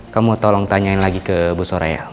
kamu tolong tanyain lagi ke bu soraya